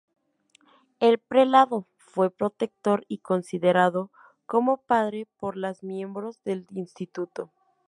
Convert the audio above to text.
El prelado fue protector y considerado como padre por las miembros del instituto.